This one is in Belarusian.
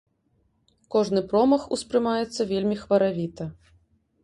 Кожны промах успрымаецца вельмі хваравіта.